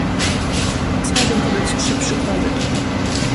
Chciałabym podać trzy przykłady